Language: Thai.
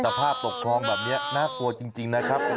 สภาพตกคลองแบบนี้น่ากลัวจริงนะครับ